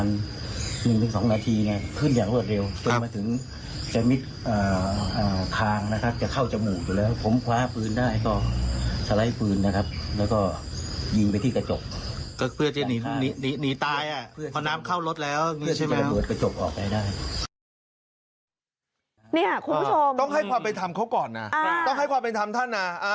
คุณผู้ชมต้องให้ความเป็นธรรมเขาก่อนนะต้องให้ความเป็นธรรมท่านนะ